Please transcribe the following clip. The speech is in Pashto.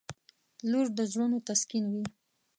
• لور د زړونو تسکین وي.